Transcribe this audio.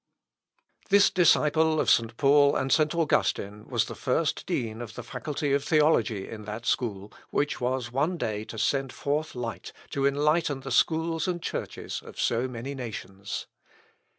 This disciple of St. Paul and St. Augustine was the first Dean of the Faculty of Theology in that school which was one day to send forth light to enlighten the schools and churches of so many nations.